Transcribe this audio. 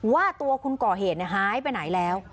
ว่าตัวคนก่อเหตุหายไปไหนแล้ว